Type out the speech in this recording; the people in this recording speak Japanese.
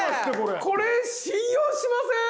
これ信用しません？